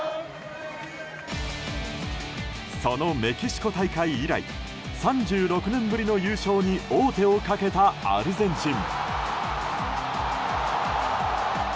そのメキシコ大会以来３６年ぶりの優勝に王手をかけたアルゼンチン。